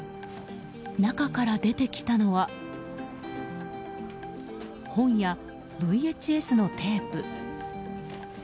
中から出てきたのは本や、ＶＨＳのテープ。